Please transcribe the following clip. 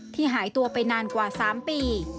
หายตัวไปนานกว่า๓ปี